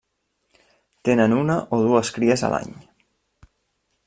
Tenen una o dues cries a l'any.